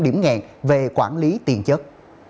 điểm nghẹn về quản lý tiền chất